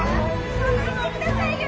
捜してくださいよ